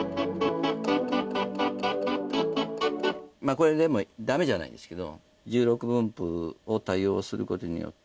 これでもダメじゃないんですけど１６分音符を多用することによって。